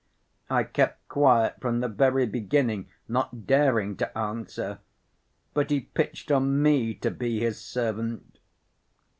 I kept quiet from the very beginning, not daring to answer; but he pitched on me to be his servant.